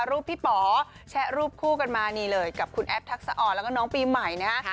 รูปพี่ป๋อแชะรูปคู่กันมานี่เลยกับคุณแอฟทักษะอ่อนแล้วก็น้องปีใหม่นะฮะ